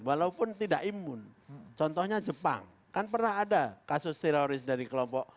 walaupun tidak imun contohnya jepang kan pernah ada kasus teroris dari kelompok